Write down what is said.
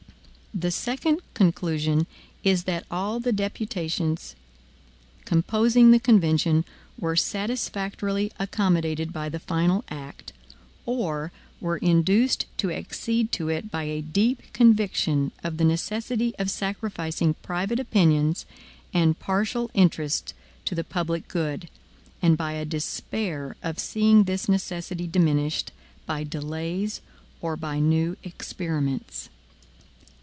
The second conclusion is that all the deputations composing the convention were satisfactorily accommodated by the final act, or were induced to accede to it by a deep conviction of the necessity of sacrificing private opinions and partial interests to the public good, and by a despair of seeing this necessity diminished by delays or by new experiments.